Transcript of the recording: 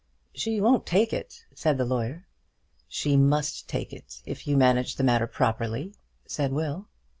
"She won't take it," said the lawyer. "She must take it, if you manage the matter properly," said Will.